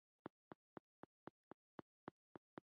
چې احتمال لري په متحدو ایالتونو کې